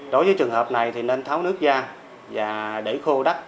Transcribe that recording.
đối với trường hợp này thì nên tháo nước ra và để khô đất